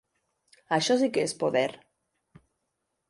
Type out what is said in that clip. Això sí que és poder!